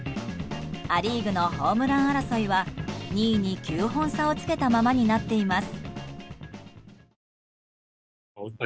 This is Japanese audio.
ア・リーグのホームラン王争いは２位に９本差をつけたままになっています。